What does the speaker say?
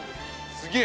すっげえ！